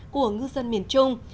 của ngư dân miền trung